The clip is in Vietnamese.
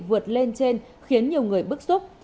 vượt lên trên khiến nhiều người bức xúc